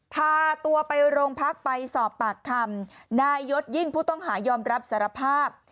พาตัวไปโรงพักไปสอบปากคำนายยศยิ่งผู้ต้องหายอมรับสารภาพ